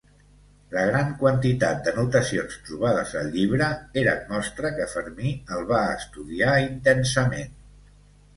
La gran quantitat d'anotacions trobades al llibre eren mostra que Fermi el va estudiar intensament.